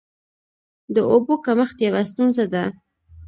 د اوبو کمښت یوه ستونزه ده.